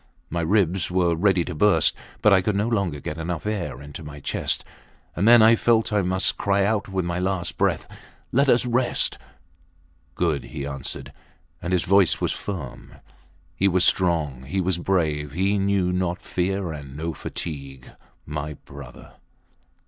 My ribs were ready to burst, but I could no longer get enough air into my chest. And then I felt I must cry out with my last breath, Let us rest! ... Good! he answered; and his voice was firm. He was strong. He was brave. He knew not fear and no fatigue ... My brother!